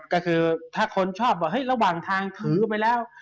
ก็คือถ้าคนชอบบอกเฮ้ยระหว่างทางถือไปแล้ว